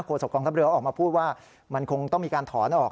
โศกองทัพเรือออกมาพูดว่ามันคงต้องมีการถอนออก